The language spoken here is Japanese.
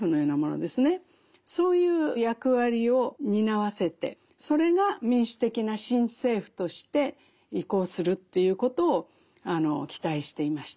そういう役割を担わせてそれが民主的な新政府として移行するということを期待していました。